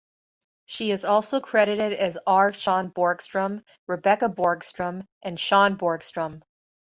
She is also credited as R. Sean Borgstrom, Rebecca Borgstrom, and Sean Borgstrom.